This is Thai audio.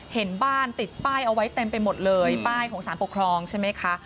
เห็นบ้านติดป้ายเอาไว้เต็มไปหมดเลยป้ายของสารปกครองใช่ไหมคะ